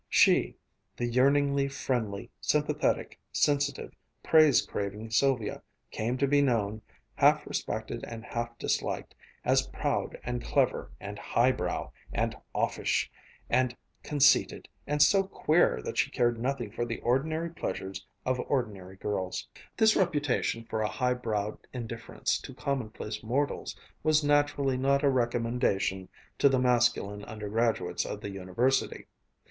She, the yearningly friendly, sympathetic, sensitive, praise craving Sylvia, came to be known, half respected and half disliked, as proud and clever, and "high brow," and offish, and conceited, and so "queer" that she cared nothing for the ordinary pleasures of ordinary girls. This reputation for a high browed indifference to commonplace mortals was naturally not a recommendation to the masculine undergraduates of the University.